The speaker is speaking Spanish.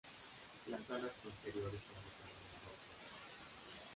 Las alas posteriores son de color marrón claro.